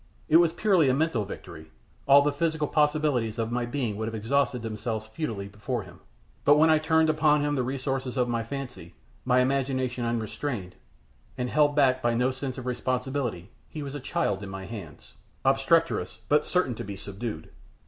It was purely a mental victory. All the physical possibilities of my being would have exhausted themselves futilely before him; but when I turned upon him the resources of my fancy, my imagination unrestrained, and held back by no sense of responsibility, he was as a child in my hands, obstreperous but certain to be subdued.